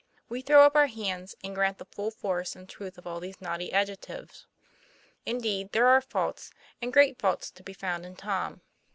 We throw up our hands, and grant the full force and truth of all these naughty adjectives. Indeed there are faults, and great faults, to be found in Tom.